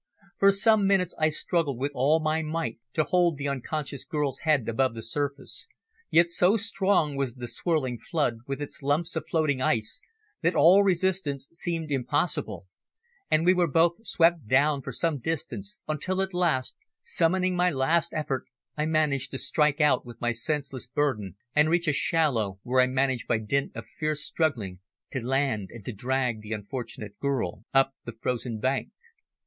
For some minutes I struggled with all my might to hold the unconscious girl's head above the surface, yet so strong was the swirling flood, with its lumps of floating ice, that all resistance seemed impossible, and we were both swept down for some distance until at last, summoning my last effort I managed to strike out with my senseless burden and reach a shallow, where I managed by dint of fierce struggling, to land and to drag the unfortunate girl up the frozen bank.